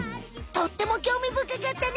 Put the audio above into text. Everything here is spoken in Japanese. とってもきょうみぶかかったね。